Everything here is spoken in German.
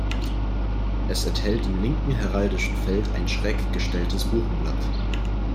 Es enthält im linken heraldischen Feld ein schräg gestelltes Buchenblatt.